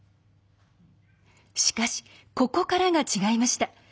しかし、ここからが違いました。